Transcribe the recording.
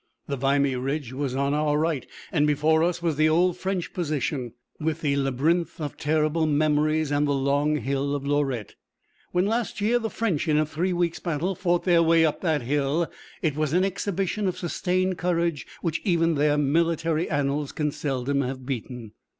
The Vimy Ridge was on our right, and before us was the old French position, with the labyrinth of terrible memories and the long hill of Lorette. When, last year, the French, in a three weeks' battle, fought their way up that hill, it was an exhibition of sustained courage which even their military annals can seldom have beaten.